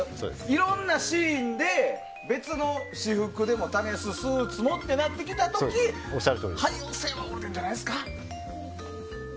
いろんなシーンで別の私服でも試すスーツでもってなった時汎用性はオールデンじゃないですか？